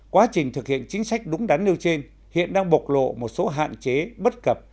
quá trình thực hiện chính sách đúng đắn nêu trên hiện đang bộc lộ một số hạn chế bất cập